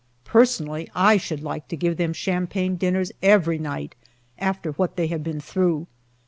Personally, I should like to give them champagne dinners every night, after what they have been through.